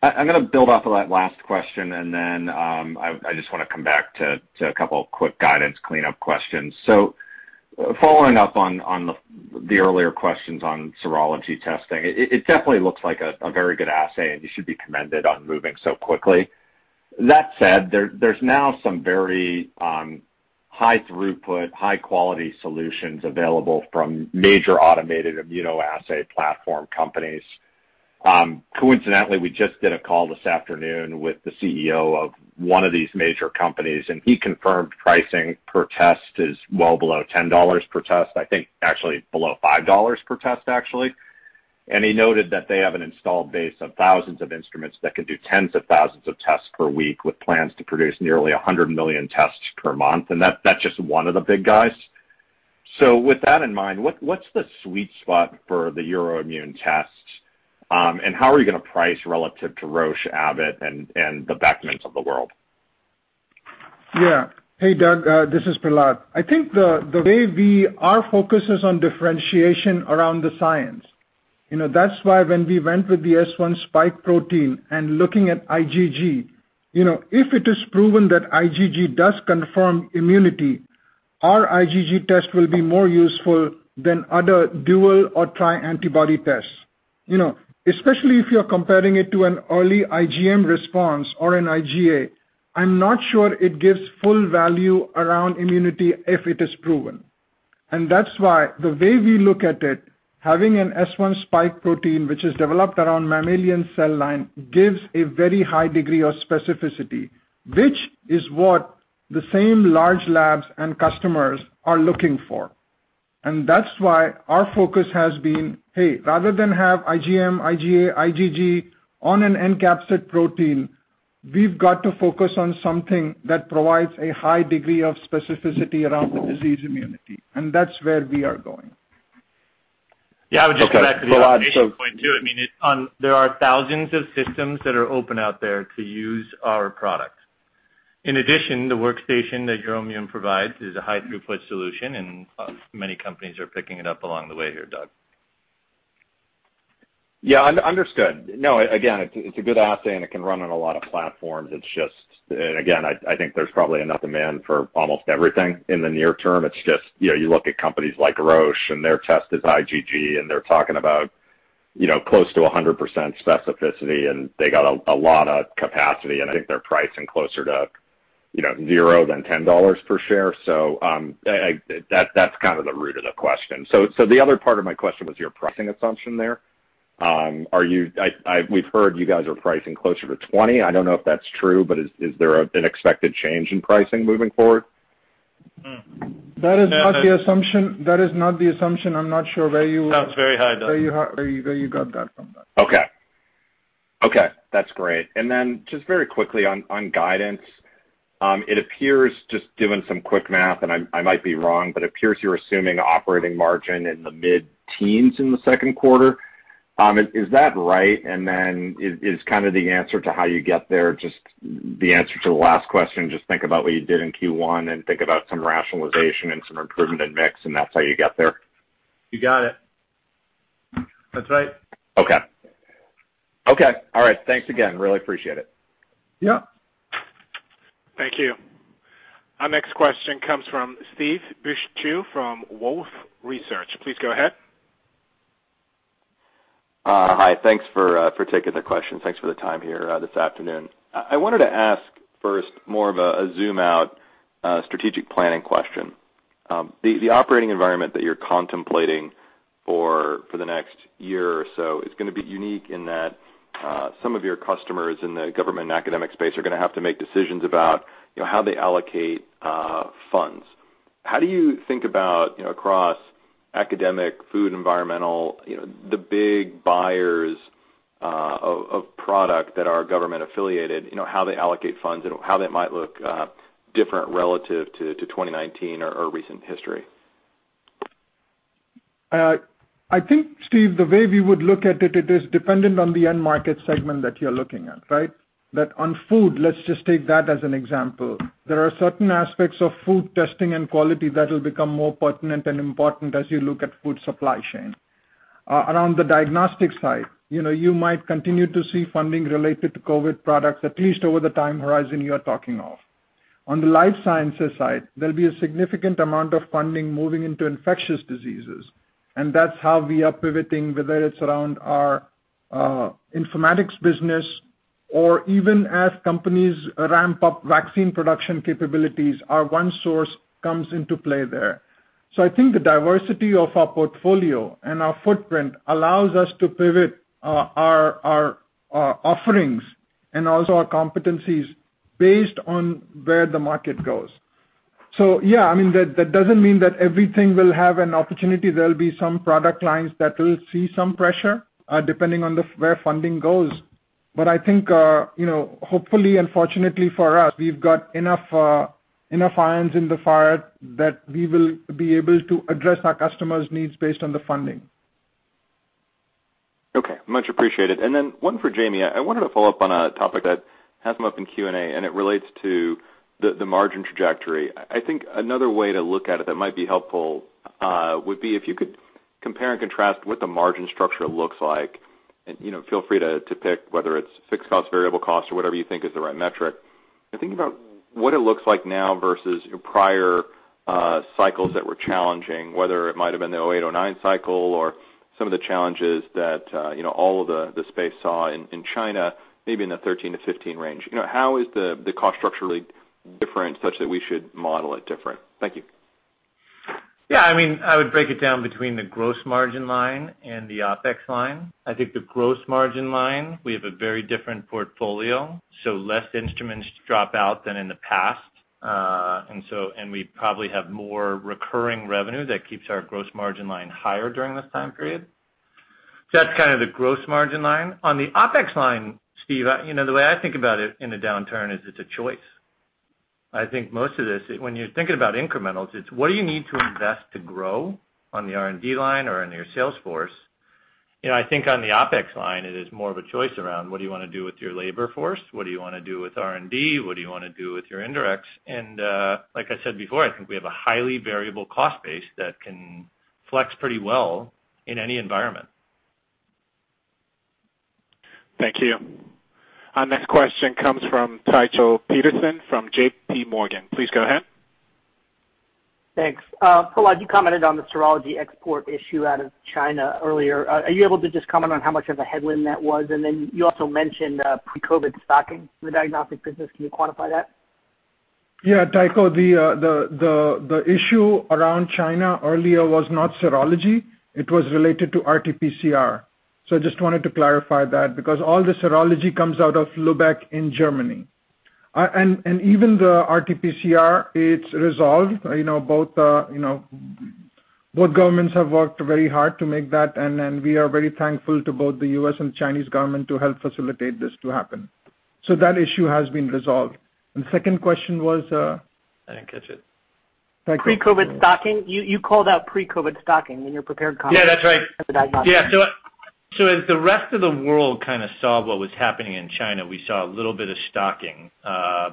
going to build off of that last question, then I just want to come back to a couple quick guidance cleanup questions. Following up on the earlier questions on serology testing, it definitely looks like a very good assay, and you should be commended on moving so quickly. That said, there's now some very high throughput, high quality solutions available from major automated immunoassay platform companies. Coincidentally, we just did a call this afternoon with the CEO of one of these major companies, and he confirmed pricing per test is well below $10 per test. I think actually below $5 per test, actually. He noted that they have an installed base of thousands of instruments that can do tens of thousands of tests per week with plans to produce nearly 100 million tests per month. That's just one of the big guys. With that in mind, what's the sweet spot for the Euroimmun tests? How are you going to price relative to Roche, Abbott, and the Beckman of the world? Yeah. Hey, Doug, this is Prahlad. I think our focus is on differentiation around the science. That's why when we went with the S1 spike protein and looking at IgG, if it is proven that IgG does confirm immunity, our IgG test will be more useful than other dual or tri antibody tests. Especially if you're comparing it to an early IgM response or an IgA, I'm not sure it gives full value around immunity if it is proven. That's why the way we look at it, having an S1 spike protein, which is developed around mammalian cell line, gives a very high degree of specificity, which is what the same large labs and customers are looking for. That's why our focus has been, hey, rather than have IgM, IgA, IgG on a nucleocapsid protein, we've got to focus on something that provides a high degree of specificity around the disease immunity. That's where we are going. I would just add to that patient point, too. There are thousands of systems that are open out there to use our product. In addition, the workstation that Euroimmun provides is a high throughput solution, and many companies are picking it up along the way here, Doug. Yeah, understood. No, again, it's a good assay, and it can run on a lot of platforms. It's just, and again, I think there's probably enough demand for almost everything in the near term. It's just, you look at companies like Roche and their test is IgG, and they're talking about close to 100% specificity, and they got a lot of capacity, and I think they're pricing closer to zero than $10 per share. That's kind of the root of the question. The other part of my question was your pricing assumption there. We've heard you guys are pricing closer to $20. I don't know if that's true, but is there an expected change in pricing moving forward? That is not the assumption. Sounds very high, Doug. Where you got that from, Doug. Okay. That's great. Just very quickly on guidance, it appears, just doing some quick math, and I might be wrong, but appears you're assuming operating margin in the mid-teens in the second quarter. Is that right? Is kind of the answer to how you get there, just the answer to the last question, just think about what you did in Q1 and think about some rationalization and some improvement in mix, and that's how you got there? You got it. That's right. Okay. All right. Thanks again, really appreciate it. Yep. Thank you. Our next question comes from Steve Beuchaw from Wolfe Research. Please go ahead. Hi. Thanks for taking the question. Thanks for the time here this afternoon. I wanted to ask first more of a zoom out strategic planning question. The operating environment that you're contemplating for the next year or so is going to be unique in that some of your customers in the government and academic space are going to have to make decisions about how they allocate funds. How do you think about across academic, food, environmental, the big buyers of product that are government affiliated, how they allocate funds and how that might look different relative to 2019 or recent history? I think, Steve, the way we would look at it is dependent on the end market segment that you're looking at, right? That on food, let's just take that as an example. There are certain aspects of food testing and quality that will become more pertinent and important as you look at food supply chain. Around the diagnostic side, you might continue to see funding related to COVID-19 products, at least over the time horizon you are talking of. On the life sciences side, there'll be a significant amount of funding moving into infectious diseases, and that's how we are pivoting, whether it's around our informatics business or even as companies ramp up vaccine production capabilities, our OneSource comes into play there. I think the diversity of our portfolio and our footprint allows us to pivot our offerings and also our competencies based on where the market goes. Yeah, that doesn't mean that everything will have an opportunity. There'll be some product lines that will see some pressure, depending on where funding goes. I think, hopefully and fortunately for us, we've got enough irons in the fire that we will be able to address our customers' needs based on the funding. Okay. Much appreciated. One for Jamey. I wanted to follow up on a topic that has come up in Q&A, and it relates to the margin trajectory. I think another way to look at it that might be helpful would be if you could compare and contrast what the margin structure looks like. Feel free to pick whether it's fixed cost, variable cost, or whatever you think is the right metric. Think about what it looks like now versus your prior cycles that were challenging, whether it might have been the 2008, 2009 cycle or some of the challenges that all of the space saw in China, maybe in the 2013 to 2015 range. How is the cost structure really different such that we should model it different? Thank you. Yeah, I would break it down between the gross margin line and the OpEx line. I think the gross margin line, we have a very different portfolio, less instruments drop out than in the past. We probably have more recurring revenue that keeps our gross margin line higher during this time period. That's kind of the gross margin line. On the OpEx line, Steve, the way I think about it in a downturn is it's a choice. I think most of this, when you're thinking about incrementals, it's what do you need to invest to grow on the R&D line or in your sales force? I think on the OpEx line, it is more of a choice around what do you want to do with your labor force? What do you want to do with R&D? What do you want to do with your indirects? Like I said before, I think we have a highly variable cost base that can flex pretty well in any environment. Thank you. Our next question comes from Tycho Peterson from JPMorgan. Please go ahead. Thanks. Prahlad, you commented on the serology export issue out of China earlier. Are you able to just comment on how much of a headwind that was? You also mentioned pre-COVID stocking in the diagnostic business. Can you quantify that? Yeah, Tycho, the issue around China earlier was not serology. It was related to RT-PCR. Just wanted to clarify that because all the serology comes out of Lübeck in Germany. Even the RT-PCR, it's resolved. Both governments have worked very hard to make that, and we are very thankful to both the U.S. and Chinese government to help facilitate this to happen. That issue has been resolved. Second question was, I didn't catch it. Pre-COVID stocking. You called out pre-COVID stocking in your prepared comments. Yeah, that's right. At the diagnostic. Yeah. As the rest of the world kind of saw what was happening in China, we saw a little bit of stocking,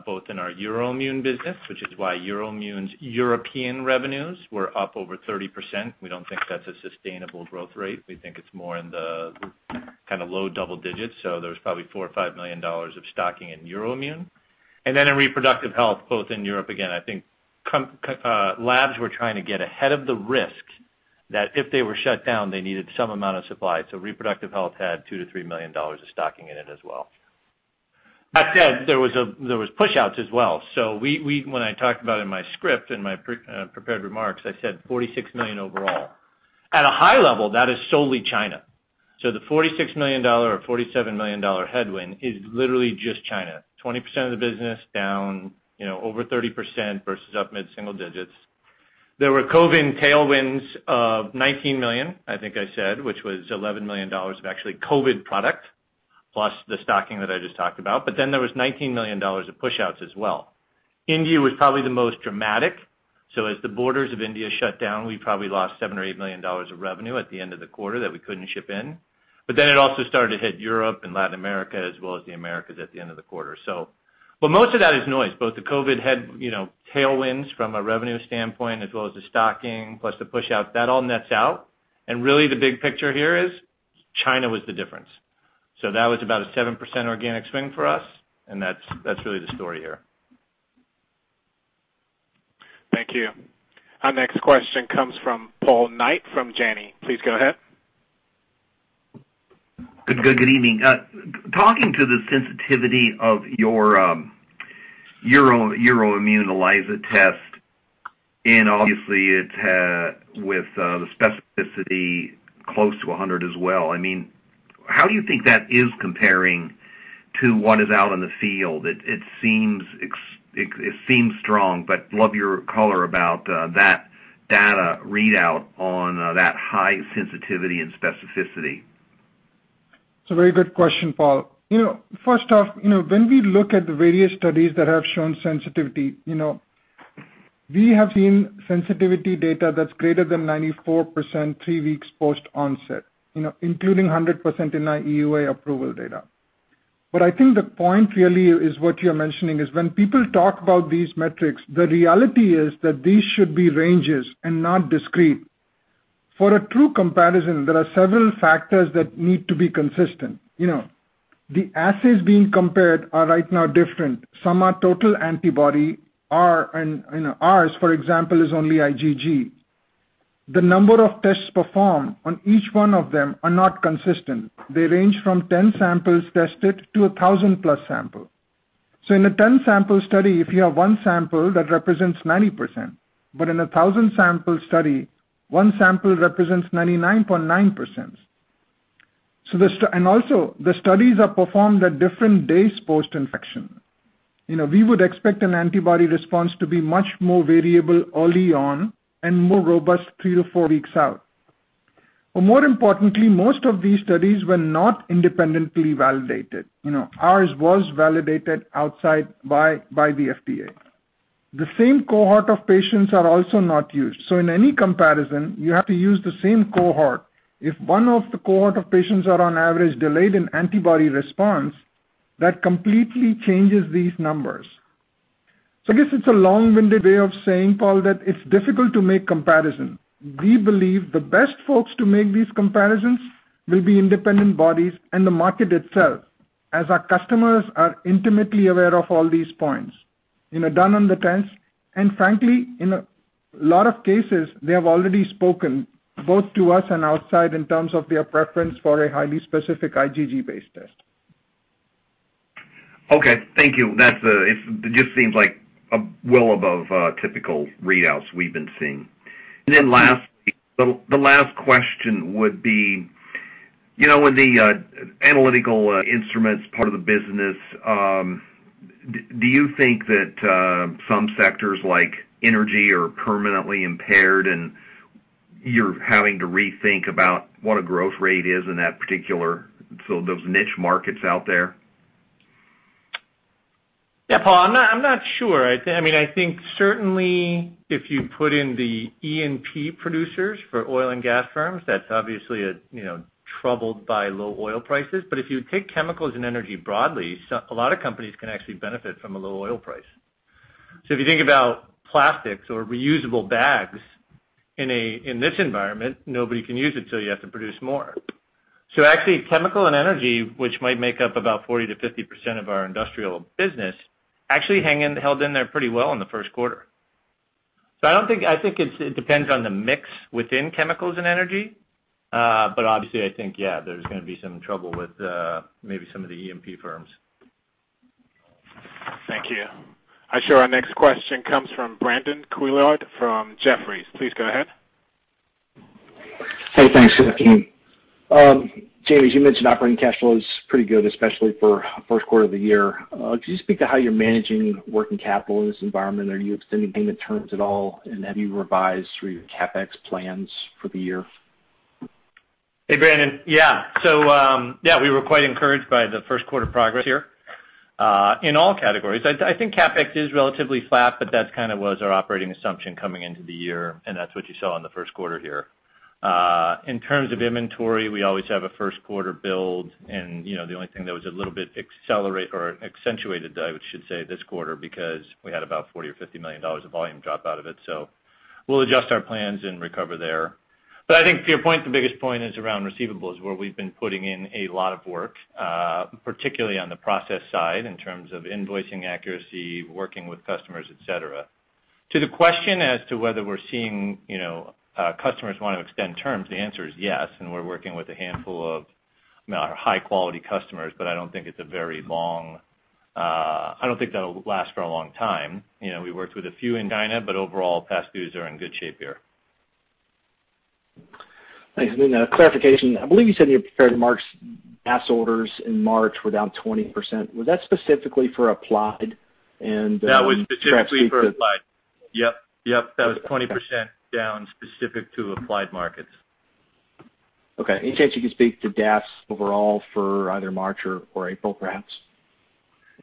both in our Euroimmun business, which is why Euroimmun's European revenues were up over 30%. We don't think that's a sustainable growth rate. We think it's more in the kind of low double digits. There was probably $4 million-$5 million of stocking in Euroimmun. In reproductive health, both in Europe, again, I think labs were trying to get ahead of the risk that if they were shut down, they needed some amount of supply. So reproductive health had $2 million-$3 million of stocking in it as well. That said, there was pushouts as well. When I talked about in my script, in my prepared remarks, I said $46 million overall. At a high level, that is solely China. The $46 million or $47 million headwind is literally just China. 20% of the business down over 30% versus up mid-single digits. There were COVID tailwinds of $19 million, I think I said, which was $11 million of actually COVID product, plus the stocking that I just talked about. There was $19 million of pushouts as well. India was probably the most dramatic. As the borders of India shut down, we probably lost $7 million or $8 million of revenue at the end of the quarter that we couldn't ship in. It also started to hit Europe and Latin America as well as the Americas at the end of the quarter. Most of that is noise. Both the COVID headwinds from a revenue standpoint as well as the stocking plus the pushout, that all nets out. Really the big picture here is China was the difference. That was about a 7% organic swing for us, and that is really the story here. Thank you. Our next question comes from Paul Knight from Janney. Please go ahead. Good evening. Talking to the sensitivity of your Euroimmun ELISA test, obviously with the specificity close to 100 as well, how do you think that is comparing to what is out in the field? It seems strong, love your color about that data readout on that high sensitivity and specificity. It's a very good question, Paul. First off, when we look at the various studies that have shown sensitivity, we have seen sensitivity data that's greater than 94%, three weeks post-onset, including 100% in our EUA approval data. I think the point really is what you're mentioning is when people talk about these metrics, the reality is that these should be ranges and not discrete. For a true comparison, there are several factors that need to be consistent. The assays being compared are right now different. Some are total antibody. Ours, for example, is only IgG. The number of tests performed on each one of them are not consistent. They range from 10 samples tested to 1,000+ samples. In a 10-sample study, if you have one sample, that represents 90%, but in a 1,000-sample study, one sample represents 99.9%. Also, the studies are performed at different days post-infection. We would expect an antibody response to be much more variable early on and more robust three to four weeks out. More importantly, most of these studies were not independently validated. Ours was validated outside by the FDA. The same cohort of patients are also not used. In any comparison, you have to use the same cohort. If one of the cohort of patients are on average delayed in antibody response, that completely changes these numbers. I guess it's a long-winded way of saying, Paul, that it's difficult to make comparison. We believe the best folks to make these comparisons will be independent bodies and the market itself, as our customers are intimately aware of all these points. Done in the trends, and frankly, in a lot of cases, they have already spoken both to us and outside in terms of their preference for a highly specific IgG-based test. Okay. Thank you. It just seems like well above typical readouts we've been seeing. The last question would be, with the analytical instruments part of the business, do you think that some sectors like energy are permanently impaired and you're having to rethink about what a growth rate is in those niche markets out there? Yeah, Paul, I'm not sure. I think certainly if you put in the E&P producers for oil and gas firms, that's obviously troubled by low oil prices. If you take chemicals and energy broadly, a lot of companies can actually benefit from a low oil price. If you think about plastics or reusable bags. In this environment, nobody can use it till you have to produce more. Actually, chemical and energy, which might make up about 40%-50% of our industrial business, actually held in there pretty well in the first quarter. I think it depends on the mix within chemicals and energy. Obviously, I think, yeah, there's going to be some trouble with maybe some of the E&P firms. Thank you. I show our next question comes from Brandon Couillard from Jefferies. Please go ahead. Hey, thanks. Good afternoon. James, you mentioned operating cash flow is pretty good, especially for first quarter of the year. Could you speak to how you're managing working capital in this environment? Are you extending payment terms at all? Have you revised through your CapEx plans for the year? Hey, Brandon. Yeah. We were quite encouraged by the first quarter progress here, in all categories. I think CapEx is relatively flat, but that kind of was our operating assumption coming into the year, and that's what you saw in the first quarter here. In terms of inventory, we always have a first quarter build and the only thing that was a little bit accelerated or accentuated, I should say, this quarter, because we had about $40 million or $50 million of volume drop out of it. We'll adjust our plans and recover there. I think to your point, the biggest point is around receivables, where we've been putting in a lot of work, particularly on the process side in terms of invoicing accuracy, working with customers, et cetera. To the question as to whether we're seeing customers want to extend terms, the answer is yes, and we're working with a handful of high-quality customers, but I don't think that'll last for a long time. We worked with a few in China, but overall, past dues are in good shape here. Thanks. Clarification, I believe you said you prepared March's DAS orders in March were down 20%. Was that specifically for Applied? That was specifically for Applied. Yep. That was 20% down specific to Applied markets. Okay. Any chance you could speak to DAS overall for either March or April, perhaps?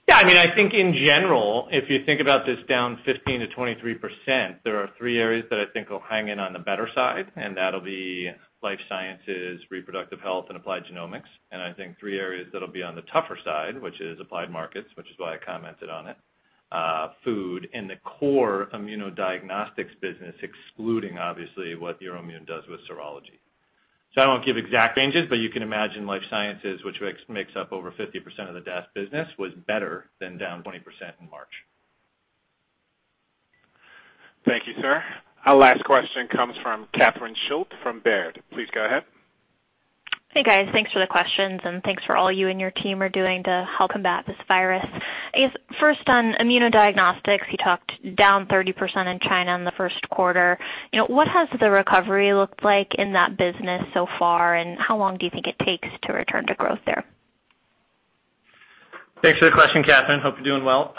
Yeah, I think in general, if you think about this down 15%-23%, there are three areas that I think will hang in on the better side, and that'll be life sciences, reproductive health, and applied genomics. I think three areas that'll be on the tougher side, which is applied markets, which is why I commented on it, food, and the core immunodiagnostics business, excluding obviously what Euroimmun does with serology. I won't give exact ranges, but you can imagine life sciences, which makes up over 50% of the DAS business, was better than down 20% in March. Thank you, Sir. Our last question comes from Catherine Schulte from Baird. Please go ahead. Hey, guys. Thanks for the questions. Thanks for all you and your team are doing to help combat this virus. I guess, first on immunodiagnostics, you talked down 30% in China in the first quarter. What has the recovery looked like in that business so far, and how long do you think it takes to return to growth there? Thanks for the question, Catherine. Hope you're doing well.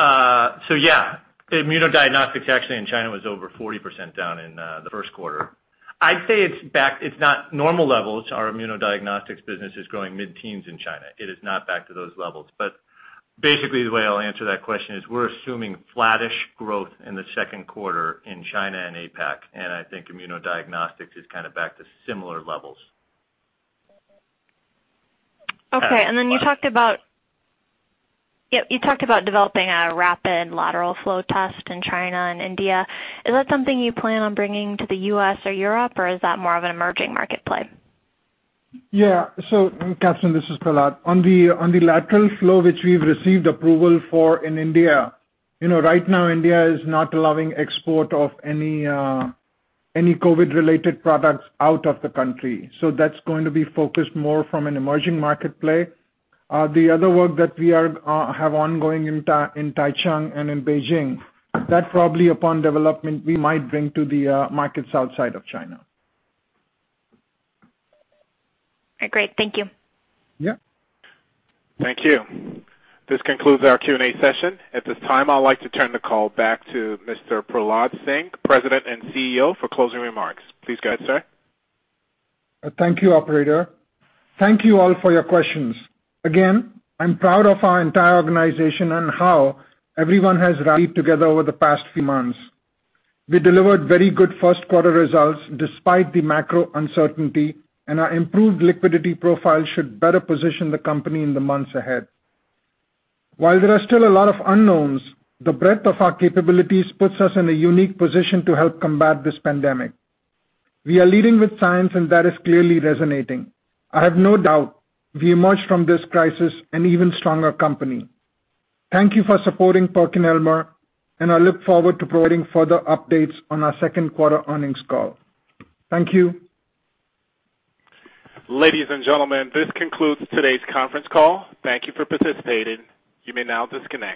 Yeah, immunodiagnostics actually in China was over 40% down in the first quarter. I'd say it's not normal levels. Our immunodiagnostics business is growing mid-10s in China. It is not back to those levels. Basically, the way I'll answer that question is we're assuming flattish growth in the second quarter in China and APAC, and I think immunodiagnostics is kind of back to similar levels. Okay. You talked about developing a rapid lateral flow test in China and India. Is that something you plan on bringing to the U.S. or Europe, or is that more of an emerging market play? Catherine, this is Prahlad. On the lateral flow, which we've received approval for in India, right now India is not allowing export of any COVID-related products out of the country. That's going to be focused more from an emerging market play. The other work that we have ongoing in Taichung and in Beijing, that probably upon development, we might bring to the markets outside of China. Great. Thank you. Yeah. Thank you. This concludes our Q&A session. At this time, I'd like to turn the call back to Mr. Prahlad Singh, President and CEO, for closing remarks. Please go ahead, Sir. Thank you, operator. Thank you all for your questions. Again, I'm proud of our entire organization and how everyone has rallied together over the past few months. We delivered very good first quarter results despite the macro uncertainty, and our improved liquidity profile should better position the company in the months ahead. While there are still a lot of unknowns, the breadth of our capabilities puts us in a unique position to help combat this pandemic. We are leading with science, and that is clearly resonating. I have no doubt we emerge from this crisis an even stronger company. Thank you for supporting PerkinElmer, and I look forward to providing further updates on our second quarter earnings call. Thank you. Ladies and gentlemen, this concludes today's conference call. Thank you for participating. You may now disconnect.